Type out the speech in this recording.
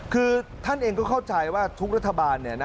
คือท่านเองก็เข้าใจว่าทุกรัฐบาล